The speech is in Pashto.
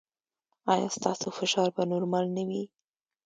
ایا ستاسو فشار به نورمال نه وي؟